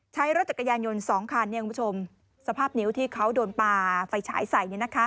ใช้รถจักรยานยนต์สองคันสภาพนิ้วที่เขาโดนป่าไฟฉายใส่